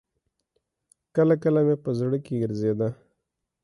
کله کله مې په زړه کښې ګرځېده.